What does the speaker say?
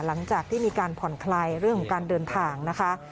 หลังจากที่มีการผ่อนคลายเรื่องของการเดินทางนะคะ